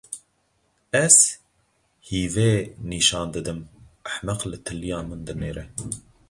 Ez hîvê nîşan didim, ehmeq li tilîya min dinêre.